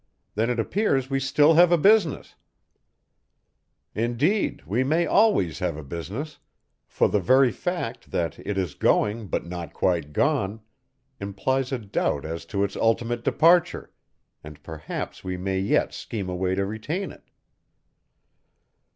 Then it appears we still have a business; indeed, we may always have a business, for the very fact that it is going but not quite gone implies a doubt as to its ultimate departure, and perhaps we may yet scheme a way to retain it."